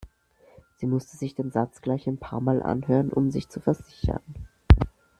Sie musste sich den Satz gleich ein paarmal anhören, um sich zu versichern.